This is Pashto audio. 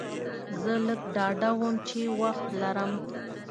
زه لږ ډاډه وم چې وخت لرم.